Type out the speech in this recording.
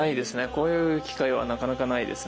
こういう機会はなかなかないですね。